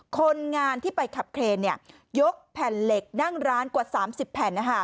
คนงานที่ไปขับเครนยกแผ่นเหล็กนั่งร้านกว่า๓๐แผ่น